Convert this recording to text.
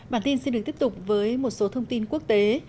bản tin xin được tiếp tục với một số thông tin quốc tế